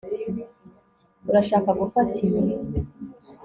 Urashaka gufata iyi